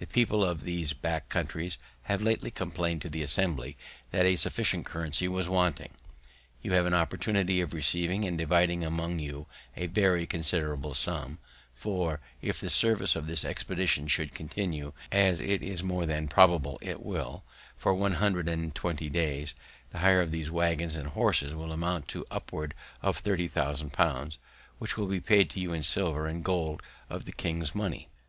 The people of these back counties have lately complained to the Assembly that a sufficient currency was wanting; you have an opportunity of receiving and dividing among you a very considerable sum; for, if the service of this expedition should continue, as it is more than probable it will, for one hundred and twenty days, the hire of these waggons and horses will amount to upward of thirty thousand pounds, which will be paid you in silver and gold of the king's money.